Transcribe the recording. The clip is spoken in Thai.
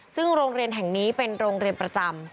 ซึ่งโรงเรียนแห่งนี้เป็นโรงเรียนประจำ